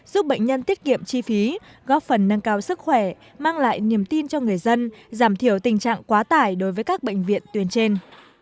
giúp bệnh nhân tiết kiệm chi phí góp phần nâng cao sức khỏe mang lại niềm tin cho người dân giảm thiểu tình trạng quá tải đối với các bệnh viện tuyến trên